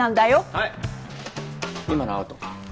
はい今のアウト。